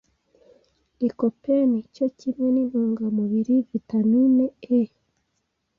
'Licopene' - cyo kimwe n'intungamubiri vitamine E